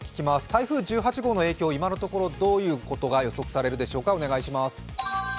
台風１８号の影響、今のところどういうことが予想されるでしょうか。